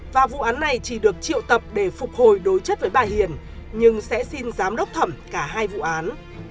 và vụ án này chỉ được triệu tập để phục hồi đối chất với bà hiền nhưng sẽ xin giám đốc thẩm cả hai vụ án